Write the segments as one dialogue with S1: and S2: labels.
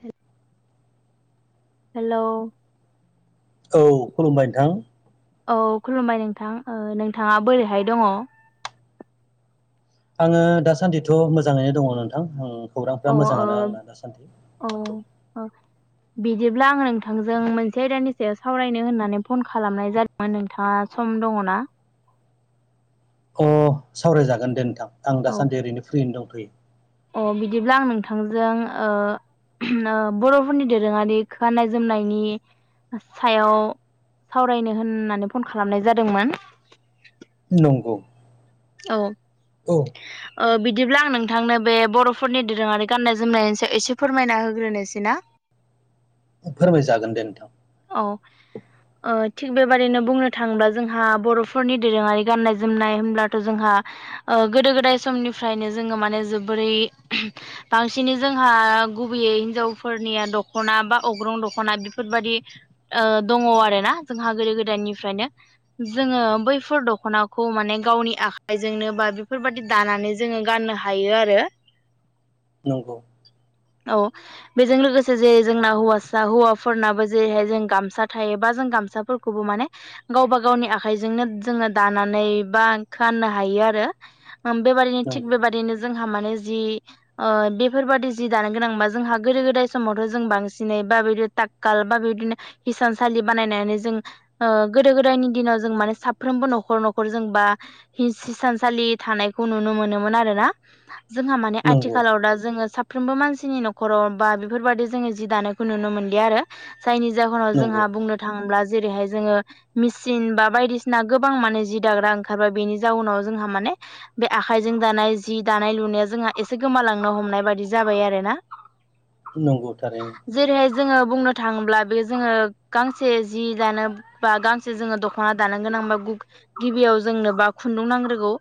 S1: हे [inaudible] hello
S2: औ खुलुमबाय नोंथां।
S1: औ खुलुमबाय नोंथां ओ नोंथाङा बोरैहाय दङ?
S2: आङो दासान्दिथ' मोजाङैनो दङ नोंथां उम
S1: ओ
S2: खौरांफ्रा मोजाङानो आंना दासान्दि।
S1: औ औ बिदिब्ला आं नोंथांजों मोनसे आयदानि सायाव सावरायनो होननानै फन खालामनाय जादोंमोन नोंथाङा सम दङना?
S2: अ सावरायजागोन दे नोंथां आं
S1: औ
S2: दासान्दि ओरैनो फ्रियैनो दंथैयो।
S1: अ बिदिब्ला आं नोंथांजों ओ बर'फोरनि दोरोङारि गानाय जोमनायनि सायाव सावरायनो होननानै फन खालामनाय जादोंमोन।
S2: नंगौ
S1: औ
S2: औ
S1: ओ बिदिब्ला आं नोंथांनो बे बर'फोरनि दोरोङारि गाननाय जोमनायनि सायाव एसे फोरमायना होग्रोनोसै ना? ‌ [inaudible]
S2: फोरमायजागोन दे नोंथां।
S1: औ ओ थिग बेबादिनो बुंनो थाङोब्ला जोंहा बर'फोरनि दोरोङारि गाननाय जोमनाय होमब्ला जोंहा ओ गोदो गोदाय समनिफ्रायनो जोङो माने जोबोरै बांसिनै जों हा गुबैयै हिनजावफोरनिया दख'ना बा अग्रं दख'ना बेफोरबायदि ओ दङ आरोना जोंहा गोदो गोदायनिफ्रायनो जोङो बैफोर दख'नाखौ माने गावनि आखाइजोंनो बा बेफोरबायदि दानानै जोङो गाननो हायो आरो।
S2: नंगौ
S1: औ बेजों लोगोसे जेरै जोंना हौवासा हौवाफोरनाबो जेरैहाय जों गामसा थायोबा जों गामसाफोरखौबो माने गावबा गावनि आखाइजोंनो जोङो दानानै बा फाननो हायो आरो बेबायदिनो थिग
S2: नंगौ
S1: बेबायदिनो जों -हा माने जि ओ बेफोरबादि जि दानो गोनांबा जोंहा गोदो गोदाय समावथ' जों बांसिनै बा तातकाल बा बिदिनो हिसानसालि बानायनानै जों ओ गोदो गोदायनि दिनाव जों माने साफ्रोमबो न'खर न'खरजों बा हि हिसानसालि थानायखौ नुनो मोनोमोन आरोना? जोंहा माने
S2: नंगौ
S1: आथिखालाव दा जोङो सा साफ्रोमबो मानसिनि न'खराव बा बेफोरबादि जोङो जि दानायखौ नुनो मोनलिया आरो। जायनि जाहोनाव जोंहा
S2: नंगौ
S1: बुंनो थाङोब्ला जेरैहाय जोङो मिसिन बा बायदिसिना गोबां माने जि दाग्रा ओं ओंखारबाय बेनि जाउनाव जोंहा माने बे आखाइजों दानाय जि दानाय लुनाया जोंहा एसे गोमालांनो हम नाय बादि जाबाय आरोना?
S2: नंगौ थारैनो।
S1: जेरैहाय जोङो बुंनो थाङोब्ला बे जोङो गांसे जि दानो बा गांसे जोङो दख'ना दानो गोनां - बा गिबियाव जों जोंनोबा खुन्दुं नांग्रोगौ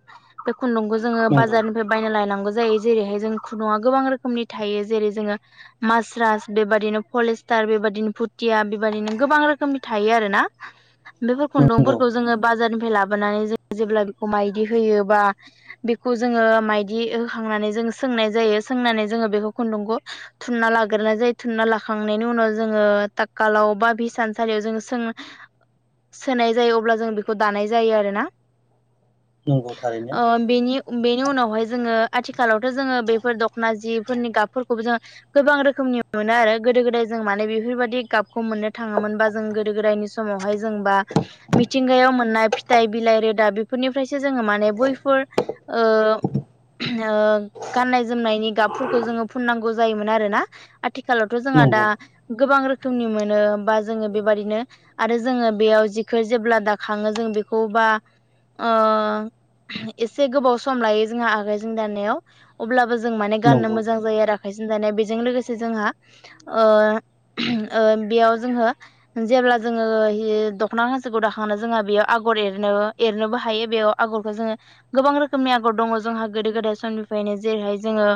S1: बे खुन्दुंखौ जोङो
S2: नंगौ
S1: बाजारनिफ्राय बायना लायनांगौ जायो। जायो जेरैहाय जों खुन्दुंआ गोबां रोखोमनि थायो जेरै जोङो मासरास बेबादिनो फलेसतार बेबायदिनो फुथिया बेबायदिनो गोबां रोखोमनि थायो आरोना? बेफोर
S2: नंगौ
S1: खुन्दुंफोरखौ जोङो बाजारनिफ्राय लाबोनानै जों जेब्ला बेखौ माइदि होयोबा बेखौ जोङो माइदि होखांनानै जों सोंनाय जायो। सोंनानै जोङो बेखौ खुन्दुंखौ थुनना लाग्रोनाय जायो थुनना लाखांनायनि उनाव जोङो तातकालाव बा बि हिसान सालियाव जोङो सों सोनाय जायो अब्ला जों बेखौ दानाय जायो आरोना।
S2: नंगौ थारैनो।
S1: ओ बेनि बेनि उनावहाय जोङो आथिखालावथ' जोङो बेफोर दख'ना जिफोरनि गाबफोरखौबो जोङो गोबां रोखोम नि मोनो आरो गोदो गोदाय जों माने बेफोरबायदि गाबखौ मोननो थाङामोनबा जों गोदो गोदायनि समावहाय जों बा मिथिंगायाव मोननाय फिथाइ बिलाइ रे दा बेफोरनिफ्रायसो जोङो माने बैफोर ओ ओम गाननाय जोमनायनि गाबफोरखौ जोङो फुननांगौ जायोमोन आरो ना आथिखा आथिखालावथ' जोंहा दा
S2: नंगौ
S1: गोबां रोखो रोखोमनि मोनो बा जोङो बेबादिनो आरो जोङो बेयाव जिखो जेब्ला दाखाङो जों बेखौ बा एसे गोबाव सम लायो जोंहा आगायजों दाननायाव अब्लाबो जों जों माने गाननो
S2: नंगौ नंगौ
S1: मोजां जायो आरो। आखायजों दानाया बेजों लोगोसे जोंहा ओ बेयाव जोंङो जे जेब्ला जोङो दख'ना हांसोखौ दाखांनो जोहा बेयाव आगर एरनो एरनोबो हायो बेयाव आगरखौ जोङो गोबां रोखोमनि आगर दङ जोंहा गोदो गोदाय समनिफ्रायनो जेरैहाय जों ओ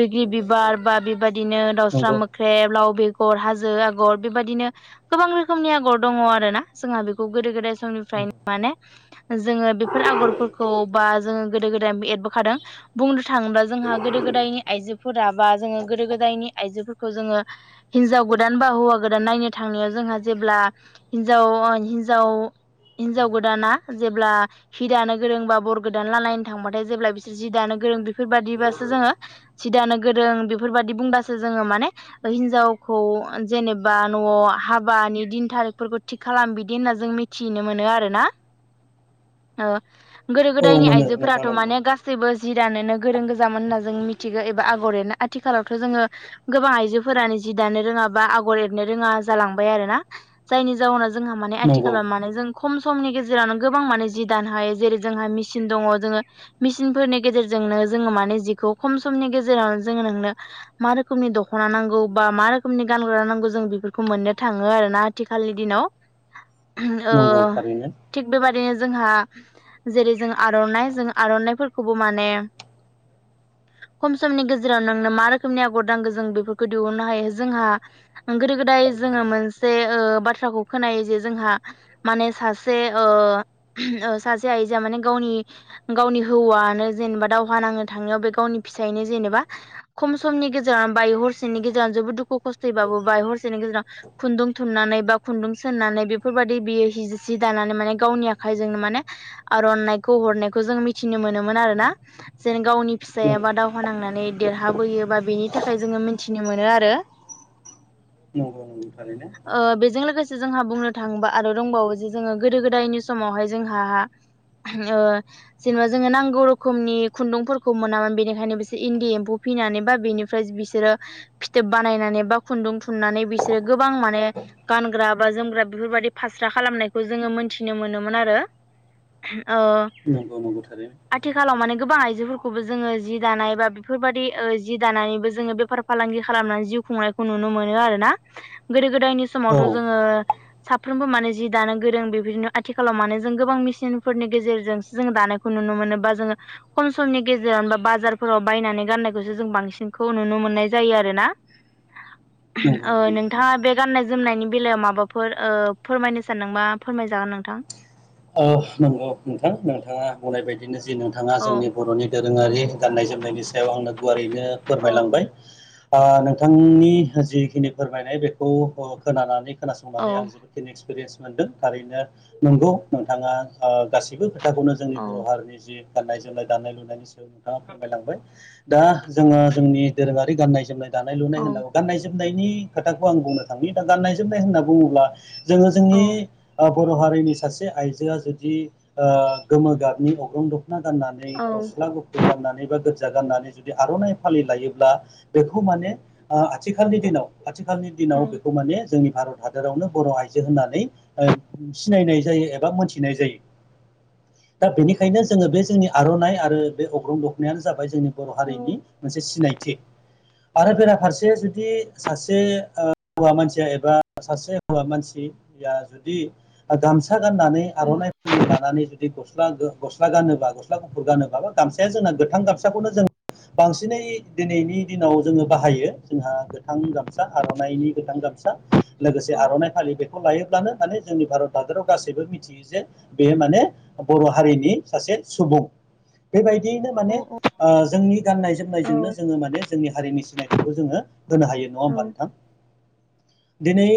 S1: बिग्रि बिबार बा बेबायदिनो दाउस्रा
S2: नंगौ
S1: मोख्रेब लाव बेगर हाजो आगर बेबायदिनो गोबां रोखोमनि आगर दङ आरोना जोंहा बेखौ गोदो गोदाय स नि फ्रायनो माने जोङो बेफोर आगरफोरखौ बा जोङो गोदो गोदाय एरबोखादों बुंनो थाङोबा जोंहा गोदो गोदाय दायनि आइजोफोरा बा जोङो गोदो गोदायनि आइजोफोरखौ जोङो हिनजाव गोदान बा हौवा गोदान नायनो थांनायाव जोंहा जेब्ला हिनजाव हिनजाव हिनजाव गोदा ना जेब्ला हि दानो गोरों बा बर गोदानलालायनो थांबाथाय जेब्ला बिसोर जि दानो गोरों बेफोरबायदि बासो जोङो सि लानो गोरों बेफोरबायदि बुंबासो जोङो माने हिनजावखौ जेनेबा न'आव हाबानि दिन थारिखफोरखौ थिग खालाम बिदि होनना जों मिथिनो मोनो आरोना। ओ गोदो
S2: औ
S1: गोदायनि
S2: मोनो नोंथां
S1: आइजोफोराथ'
S2: नंगौ
S1: माने गासैबो जि दानोनो गोरों गोजामोन होनना जों मिथिगौ एबा आगरनो आथिखालावथ' जोङो गोबां आइजोफोरानो जि दानो रोङाबा आगर एरनो रोङा जालांबाय आरो ना जायनि जाउनाव जोंहा माने
S2: नंगौ
S1: आथिखालाव माने जों खम समनि गेजेराव गेजेरावनो गोबां माने जि दानो हायो जेरै जोंहा मेसिन दङ जोङो मेसिनफोरनि गेजेरजोंनो जोङो माने जिखौ खम समनि गेजेरावनो जोङो नोंनो मा रोखोमनि दख'ना नांगौ बा मा रोखोमनि गानग्रा नांगौ जों बेफोरखौ मोननो थाङो आरोना आथिखालनि दिनाव ओ
S2: नंगौ थारैनो।
S1: थिग बेबायदिनो जोंहा जेरै जों आर'नाइ जों आर'नाइफोरखौबो माने [inaudible] खम समनि गेजेराव नोंनो मा रोखोमनि आगर नांगो जों बेफोरखौ दिहुननो हायो जोंहा गोदो गोदाय जोङो मोनसे ओ बाथ्राखौ खोनायो जे जोंहा माहोनो सासे सासे ओ आइजोआ माने गावनि गावनि हौवानो जेनबा दावहा नांनो थांनायाव बे गावनि फिसायनो जेनेबा खम समनि गेजेराव बाय हरसेनि गेजेराव जोबोद दुखु खस्थ' बाबो हरसेनि गेजेराव खुन्दुं थुननानै बा खुन्दुं सोननानै बेफोरबायदि बियो जि दानानै माने गावनि आखाइजोंनो माने आरननायखौ हरनायखौ जों मिथिनो मोनोमोन आरो ना। जेन गावनि
S2: नंगौ
S1: फिसायाबा दावहा नांनानै देरहाबोयो बा बेनि थाखाय जोङो मिथिनो मोनो आरो।
S2: नोंगौ
S1: बेजों लोगोसे जोंहा बुंनो थाङोबा आरो दंबावो जे जोङो गोदो गोदायनि समावहाय जोंहा ओ जेनेबा जोङो नांगौ रोखोमनि खुन्दुंफोरखौ मोना मोन बेनिखायनो बिसोर इन्दि एम्फौ फिनानै बा बेनिफ्राय बिसोरो फिथोब बानायनानै बा खुन्दुं थुननानै बिसोरो गोबां माने गानग्रा बा जोमग्रा बेफोरबायदि फास्रा खालामनायखौ जोङो मोनथिनो मोनोमोन आरो। ओ
S2: नंगौ नंगौ थारैनो
S1: आथिखालाव माने गोबां आइजोफोरखौबो जोङो जि दानाय बा बेफोरबायदि ओ जि दानानैबो जोङो बेफार फालांगि खालामनानै जिउ खुंनायखौ नुनो मोनो आरोना गोदो गोदायनि
S2: औ
S1: समावथ' जोङो साफ्रोमबो माने जि दानो गोरों बेफोरदिनो आथिखालाव मानो जों गोबां मेसिनफोरनि गेजेरजोंसो जों दानायखौ नुनो मोनो बा जोङो खम समनि गेजेराव बा बाजारफोराव बायनानै गाननायखौसो जों बांसिनखौ नुनो मोननाय जायो आरोना। [inaudible] ओ
S2: [unintelligible]
S1: नोंथाङा बे गाननाय जोमनायनि बेलायाव माबाफोर ओ फोरमायनो सानदोंबा फोरमायजागोन नोंथां
S2: ओ नंगौ नोंथां नोंथाङा बुंनाय बायदिनो जे नोंथाङा
S1: औ
S2: जोंनि बर'नि दोरोङारि गाननाय जोमनायनि सायाव आंनो गुवारैनो
S1: औ
S2: फोरमायलांबाय नोंथांनि जिखिनि फोरमायनाय बेखौ खोनानानै
S1: औ
S2: खोनासंनानै आं जोबोद खिनि एक्सपिरियेन्स मोनदों थारैनो नंगौ नोंथाङा गासैबो खोथाखौनो जोंनि बर' हारिनि जि गाननाय जोमनाय दानाय लुनायनि नोंथाङा फोरमायलांबाय दा जोङो जोंनि दोरोङारि गाननाय जोमनाय दानाय लुनाय
S1: औ
S2: होननांगौ गाननाय जोमनाय नायनि खोथाखौ आं बुंनो थांनि दा गनाय जोमनाय होननानै बुङोब्ला जोङो
S1: औ
S2: जोंनि बर' हारिनि सासे आइजोआ जुदि ओ गोमो गाबनि अग्रं दखना गाननानै
S1: औ
S2: गस्ला गुफुर गाननानै बा गोथां गोजा गाननानै जुदि आर'नाइ फालि लायोब्ला बेखौ माने आथिखालनि दिनाव आथिखालनि
S1: औ
S2: दिनाव बेखौ माने जोंनि भारत हादरावनो बर' आइजो होननानै सिनायनाय जायो एबा मोनथिनाय जायो दा बेनिखायनो जोङो बे जोंनि आर'नाइ आरो बे अग्रं दखनायानो जाबाय जोंनि बर'
S1: औ
S2: हारिनि मोनसे सिनायथि आरो बेराफारसे जुदि सासे हौवा मानसिया एबा सासे हौवा मानसि या जुदि गामसा गानानै आर'नाइ फालि लानानै जुदि गस्ला गो गस्ला गानोबा गस्ला गु फुर गानोबाबा गामसाया जोंना गोथां गामसाखौनो जों बांसिनै दिनैनि दिनाव जोङो बाहायो जोंहा गोथां गामसा आर'नाइनि गोथां गामसा लोगोसे
S1: औ
S2: आर'नाइ फालि बेखौ लायोब्लानो माने जोंनि भारत हादराव गासैबो मिथियो जे बेयो माने बर' हारिनि सासे सुबुं बेबायदि दियैनो माने जोंनि गाननाय
S1: औ
S2: जोमनायजोंनो जोङो माने जोंनि हारिनि सिनायथिखौ जोङो होनो हायो नङा होनबा
S1: औ
S2: नोंथां
S1: [inaudible]
S2: दिनै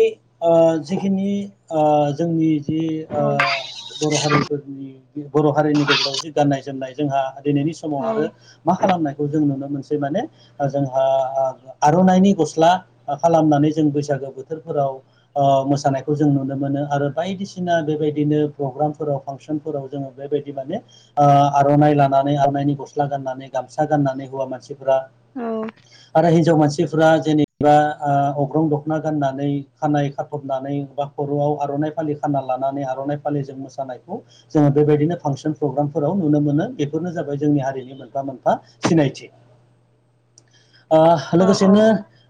S2: ओ जिखिनि ओ जोंनि जि ओ बर' हारिफोरनि बर' हारिनि गेजेराव जि गाननाय जोमनाय जोंहा दिनैनि समाव आरो मा खालामनायखौ जों नुनो मोसै माने जोंहा आर'नाइनि गस्ला खालामनानै जों बैसागो बोथोरफोराव ओ मोानायखौ जों नुनो मोनो आरो बायदि सिना बेबायदिनो प्रग्रामफोराव फांसनफोराव जोङो बेबायदि माने आ आर'नाइ लानानै आर'नाइनि गस्ला गाननानै गामसा गाननानै हौवा मानसिफोरा आरो हिनजाव मानसि मानसिफ्रा जेनेबा अग्रं दख'ना गाननानै खानाय खाथबनानै बा खर'याव आर'नाइ फालि फानना लानानै आर'नाइ फालिजों मोसानायखौ जोङो बेबायदिनो फांसन प्रग्रामफोराव नुनो मोनो बेफोरनो जों जोंनि हारिनि मोनफा मोनफा सिनायथि
S1: [inaudible]
S2: ओ लोगोसेनो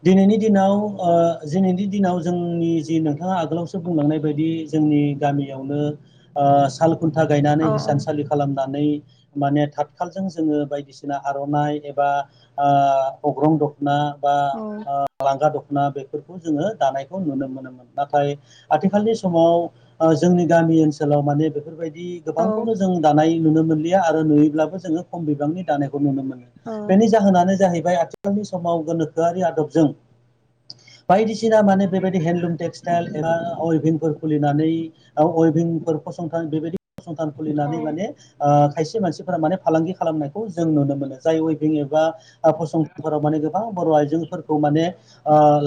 S2: दिनैनि दिनाव ओ दिनैनि दिनाव जोंनि जि नोंथाङा आगोलावसो बुंलांनाय बायदि जोंनि गामियावनो ओ साल खुनथा गायनानै
S1: औ औ
S2: हिसानसालि खालामनानै माने थाथखालजों जोङो बायदिसिना आर'नाइ एबा ओ अग्रं द ना बा
S1: औ
S2: ओ लांगा द ना बेफोरखौ जोङो दानायखौ नुनो मोनोमोन नाथाय आथिखालनि समाव जोंनि गामि ओनसोलाव माने बेफोरबायदि
S1: औ
S2: गोबांखौनो जों दानाय नुनो मोनलि या आरो नुयोब्लाबो जोङो खम बिबांनि दानायखौ नुनो मोनो
S1: औ
S2: बेनि जाहोनानो जाहैबाय आथि खालनि समाव गोनोखोयारि आदबजों बायदिसिना माने बेबायदि हेन्दलुम टेक्सटाइल एबा अइभिंफोर खुलि नानै अइभिंफोर फंसंथान बेबायदि फसंथान खुलिनानै
S1: औ
S2: माने ओ खायसे मानसिफोरा माने फालांगि खालामनायखौ जों नुनो मोनो जाय वेबिं एबा फसंथानफोराव माने गोबां बर' आइजोफोरखौ माने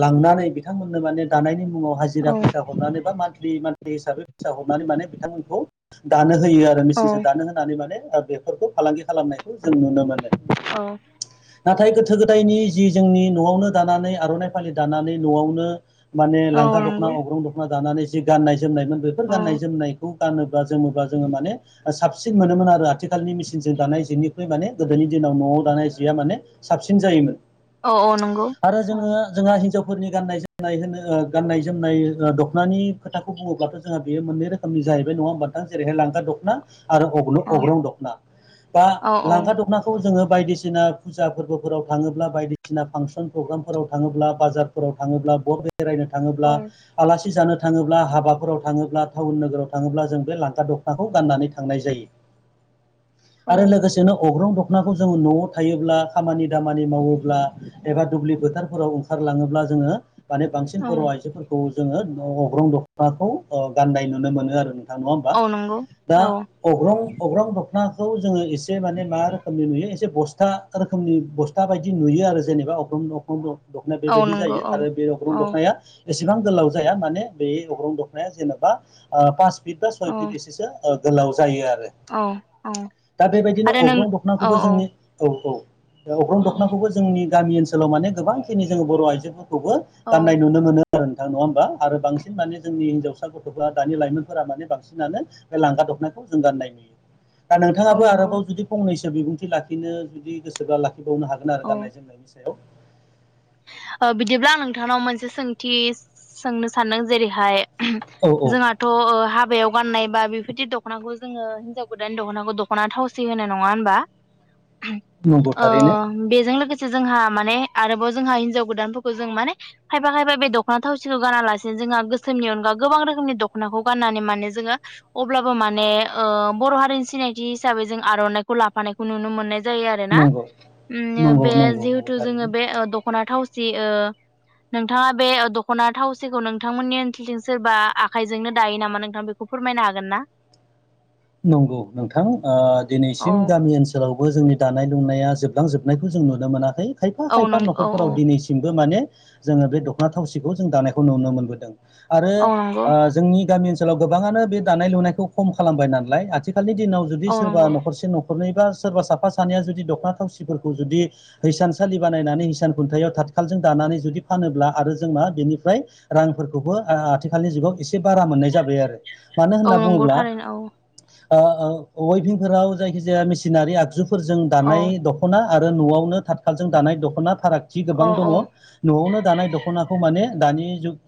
S2: लांनानै बिथांमोननो माने दानायनि मुङाव हाजिरा
S1: औ
S2: फैसा हरनानै बा मा [unintelligible] हिसाबै फिसा हरनानै माने बिथांमोनखौ दानो होयो आरो मेसिनजों दानो होनानै माने बा बेफोरखौ फालांगि खालामनायखौ जों नुनो मोनो।
S1: औ
S2: नाथाय गोथो गो दायनि जि जोंनि न'आवनो दानानै आर'नाइ फालि दानानै न'आवनो माने
S1: औ
S2: लांगा दख'ना
S1: नंगौ
S2: अग्रं दख'ना दानानै जि गाननाय जोमनायमोन बेफोर
S1: औ
S2: गाननाय जोमनायखौ गानो बा जोमो बा जोङो माने [unintelligible] साबसिन मोनोमोन आरो आथिखालनि मेसिनजों दानाय जिनिख्रुइ माने गोदोनि दिनाव न'आव दानाय जिया माने साबसिन जायोमोन।
S1: औ औ नंगौ
S2: आरो
S1: औ
S2: जोङो जोंहा हिनजाव फोरनि गाननाय जोमनाय होनो ओ गाननाय जोमनाय दख'नानि खोथाखौ बुङोब्लाथ' जोंहा बेयो मोननै रोखोमनि जाहैबाय। नङा होमबा नोंथां? जेरैहाय लांगा दख'ना आरो अगन
S1: औ
S2: अग्रं दख'ना दा
S1: औ
S2: लांगा दख'नाखौ जोङो बायदिसिना फुजा फोरबोफोराव थाङोब्ला बायदिसिना फांसन प्रग्रामफोराव थाङोब्ला बाजारफोराव थाङोब्ला बबे बेरायनो
S1: औ
S2: थाङोब्ला आलासि जानो थाङोब्ला हाबाफोराव थाङोब्ला टाउन नोगोराव थाङोब्ला जों बे लांगा दख'नाखौ गाननानै थांनाय जायो।
S1: [inaudible]
S2: आरो लोगोसेनो अग्रं द ख'नाखौ जों न'आव थायोब्ला खामानि दामानि मावोब्ला एबा दुब्लि फोथारफोराव ओंखारलाङोब्ला जोङो माने बांसिन
S1: औ
S2: बर' आइजोफोरखौ जोङो न अग्रं दख'नाखौ ओ गाननाय नुनो मोनो आरो नों थां नङा होमबा?
S1: औ नंगौ
S2: दा
S1: औ
S2: अग्रं अग्रं दख'नाखौ जोङो एसे माने मा रोखोमनि नुयो एस से बसथा रोखोमनि बसथा बायदि नुयो आरो जेनेबा अग्रं-अग्रं-अ दख'नाय
S1: औ
S2: बेबायदि
S1: नंगौ
S2: जायो
S1: औ
S2: आरो बे अग्रं
S1: औ
S2: दख'नाया एसेबां गोलाव जाया माने बै अग्रं दखनाया जेनेबा ओ पास फिट बा सय
S1: औ
S2: फिट एसेसो ओ गोलाव जायो आरो।
S1: औ औ
S2: ओ दा बेबायदिनो
S1: आरो नों
S2: अग्रं
S1: औ
S2: दखनाखौबो
S1: औ
S2: जोंनि औ औ। ओ अग्रं
S1: औ
S2: दख'नाखौबो जोंनि गामि ओनसोलाव माने गोबांखिनि जोङो बर' आइजोफोर खौबो
S1: औ
S2: गाननाय नुनो मोनो आरो नोंथां। नङा होमबा? आरो बांस सिन माने जोंनि हिनजावसा गथ'फोरा दानि लाइमोनफोरा माने बांसिनानो ओ लांगा दखनाखौ जों गाननाय नुयो। दा
S1: औ
S2: नोंथाङाबो
S1: नंगौ
S2: आरोबाव जुदि फंनैसो बिबुंथि लाखिनो जुदि गोसोबा ला खि बावनो हागोन आरो
S1: औ
S2: गाननाय जोमनायनि सायाव।
S1: ओ बिदिब्ला आं नोंथांनाव मोनसे सोंथि सोंनो सानदों। जेरैहाय
S2: औ औ
S1: [inaudible] जोंहाथ' ओ हा बायाव गाननाय बा बेफोदि दख'नाखौ जोङो हिनजाव गोदानानि दख'नाखौ दख'ना थावसि होनो। नङा होमबा?
S2: नंगौ
S1: ओ
S2: थारैनो
S1: बेजों लोगोसे जोंहा माने आरोबाव जोंहा हिनजाव गोदानफोरखौ जों माने खायफा खायफा बे दख'ना थावसिखौ गानालासिनो जोंहा गोसोमनि अनगा गोबां रो [unintelligible] दख'नाखौ गाननानै माने जोङो अब्लाबो माने ओ बर' हारिनि सिनायथि हिसाबै जों आ र'नाइखौ लाफानायखौ नुनो मोननाय जायो आरोना।
S2: नंगौ
S1: उम
S2: नंगौ
S1: बे
S2: नंगौ नंगौ
S1: जिहेथु जोङो
S2: थारैनो
S1: बे ओ द खना थावसि ओ नोंथाङा बे दख'ना थावसिखौ नोंथांमोननि ओनसोलथिं सोरबा आखाइजोंनो दायो नामा नोंथां बेखौ फोरमायनो हागोन ना?
S2: नंगौ नोंथां। ओ
S1: औ
S2: दिनैसिम गामि ओनसोलाव बो जोंनि दानाय लुनाया जोबलांजोबनायखौ जों नुनो मोनाखै। खायफा
S1: औ
S2: खायफा
S1: नों औ
S2: न'खरफोराव
S1: औ
S2: दिनैसिमबो माने जोङो बे दख'ना थावसिखौ जों दानायखौ नुनो मोनबोदों आरो
S1: औ नंगौ
S2: ओ जोंनि गामि ओ सोलाव गोबाङानो बे दानाय लुनायखौ खम खालामबाय नालाय आथिखालनि दिनाव जुदि
S1: औ
S2: सोरबा
S1: नंगौ
S2: न'खरसे न' नखरनैबा सोरबा साफा सानैया जुदि दख'ना थावसिफोरखौ जुदि हिसानसालि बानायनानै हिसान खुन्थायाव था खालजों दानानै जुदि फानोब्ला आरो जों मा बेनिफ्राय रांफोरखौबो ओ आथिखालनि जुगाव एस एसे बारा मोननाय जाबाय आरो। मानो
S1: औ
S2: होनना
S1: नंगौ
S2: बुङोब्ला
S1: थारैनो औ
S2: ओ ओ अइभिंफोराव जायखिजाया मिसिनारि आगजुफोरजों
S1: औ
S2: दानाय दख'ना आरो न'आवनो थाथखालजों दानाय दख'ना फारागथि
S1: औ
S2: गोबां दङ
S1: औ
S2: न'वावनो दानाय दख'नाखौ माने दानि जुग